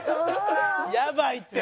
やばいって。